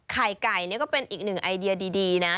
ไข่ไก่นี่ก็เป็นอีกหนึ่งไอเดียดีนะ